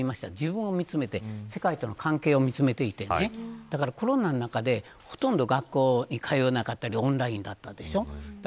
自分を見つめて世界との関係性を見つめていてコロナの中でほとんど学校に通えなかったりオンラインだったでしょ。